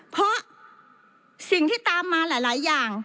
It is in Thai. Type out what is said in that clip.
เพราะสิ่งที่ตามมาหลายอย่าง